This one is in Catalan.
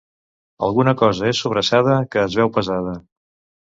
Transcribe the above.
Alguna cosa és sobrassada, que es veu pesada.